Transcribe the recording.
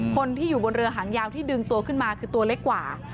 คนที่อยู่บนเรือหางยาวที่ดึงตัวขึ้นมาคือตัวเล็กกว่า